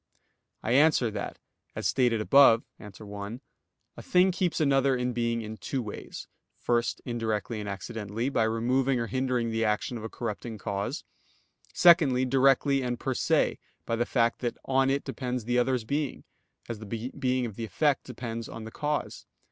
I answer that, As stated above (A. 1), a thing keeps another in being in two ways; first, indirectly and accidentally, by removing or hindering the action of a corrupting cause; secondly, directly and per se, by the fact that that on it depends the other's being, as the being of the effect depends on the cause.